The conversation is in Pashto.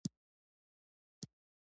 ایا ستاسو فال به ښه نه وي؟